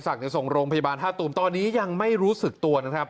ไปนำตัวในศักดิ์ส่งโรงพยาบาล๕ตุ๋มตอนนี้ยังไม่รู้สึกตัวนะครับ